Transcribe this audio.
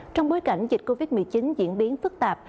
trong bối cảnh dịch covid một mươi chín diễn biến phức tạp